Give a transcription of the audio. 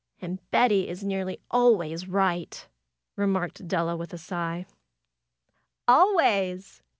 "And Betty is nearly always right!" remarked Della with a sigh. "Always!"